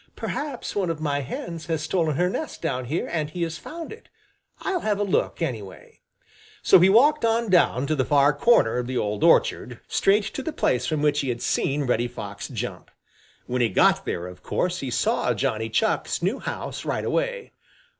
"Perhaps one of my hens has stolen her nest down here, and he has found it. I'll have a look, anyway." So he walked on down to the far corner of the old orchard, straight to the place from which he had seen Reddy Fox jump. When he got there, of course he saw Johnny Chuck's new house right away.